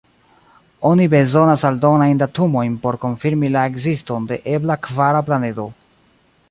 Oni bezonas aldonajn datumojn por konfirmi la ekziston de ebla kvara planedo.